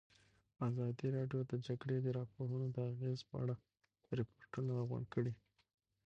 ازادي راډیو د د جګړې راپورونه د اغېزو په اړه ریپوټونه راغونډ کړي.